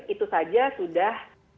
itu saja sudah